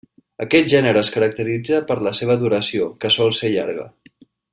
Aquest gènere es caracteritza per la seva duració, que sol ser llarga.